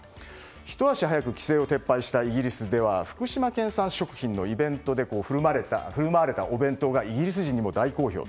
ひと足早く規制を撤廃したイギリスでは福島県産食品のイベントで振る舞われたお弁当がイギリス人にも大好評。